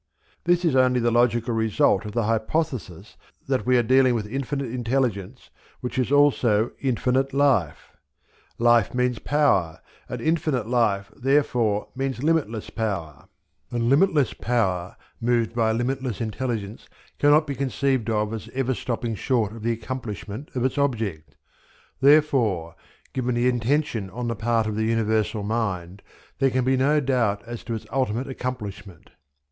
This is only the logical result of the hypothesis that we are dealing with infinite Intelligence which is also infinite Life. Life means Power, and infinite life therefore means limitless power; and limitless power moved by limitless intelligence cannot be conceived of as ever stopping short of the accomplishment of its object; therefore, given the intention on the part of the Universal Mind, there can be no doubt as to its ultimate accomplishment.